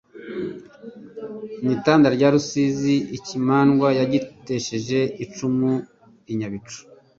N'i Tanda rya Rusizi. Ikimandwa yagitesheje icumu i Nyabicu